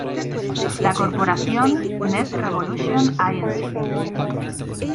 La corporación Net Revolution, Inc.